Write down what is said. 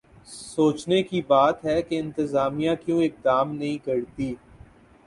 سوچنے کی بات ہے کہ انتظامیہ کیوں اقدام نہیں کرتی؟